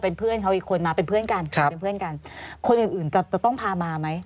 เป็นเพื่อนเขาอีกคนมาเป็นเพื่อนกันเป็นเพื่อนกันคนอื่นอื่นจะจะต้องพามาไหม